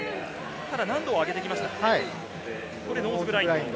ただ難度を上げてきました。